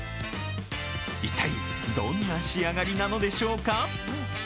一体、どんな仕上がりなのでしょうか？